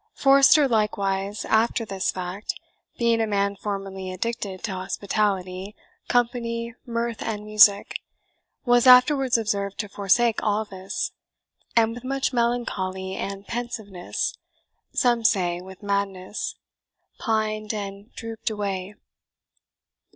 Forster, likewise, after this fact, being a man formerly addicted to hospitality, company, mirth, and music, was afterwards observed to forsake all this, and with much melancholy and pensiveness (some say with madness) pined and drooped away.